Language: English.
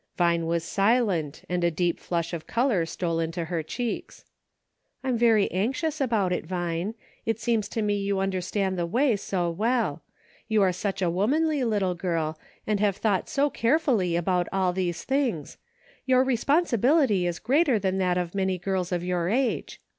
*" Vine was silent, and a deep flush of color stole into her cheeks. " I am very anxious about it. Vine. It seems to me you understand the way so well ; you are such a womanly little girl, and have thought so carefully about all these things ; your responsibil ity is greater than that of many girls of your age.